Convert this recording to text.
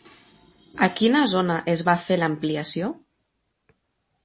A quina zona es va fer l'ampliació?